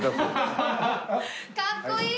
かっこいい！